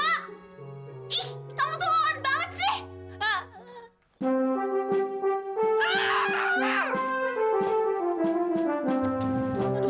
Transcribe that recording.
ih kamu tuh on banget sih